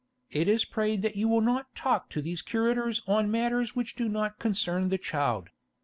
It is prayed that you will not talk to these curators on matters which do not concern the child.